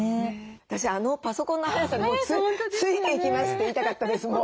私あのパソコンの速さに「ついていきます」って言いたかったですもう。